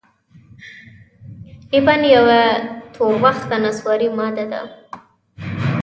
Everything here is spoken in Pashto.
اپین یوه توربخنه نسواري ماده ده.